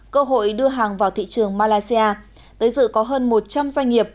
cơ hội đưa hàng vào thị trường malaysia tới dự có hơn một trăm linh doanh nghiệp